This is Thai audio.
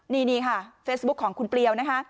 นี่ค่ะเฟสบุ๊คของคุณเปรียว